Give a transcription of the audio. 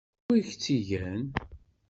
Anwa i k-tt-igan?